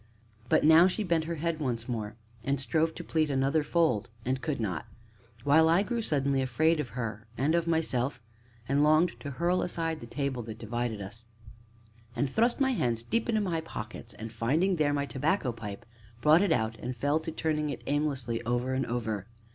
But now she bent her head once more, and strove to pleat another fold, and could not; while I grew suddenly afraid of her and of myself, and longed to hurl aside the table that divided us; and thrust my hands deep into my pockets, and, finding there my tobacco pipe, brought it out and fell to turning it aimlessly over and over.